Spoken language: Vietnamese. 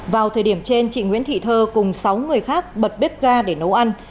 vào thời điểm trên chị nguyễn thị thơ cùng sáu người khác bật bếp ga để nấu ăn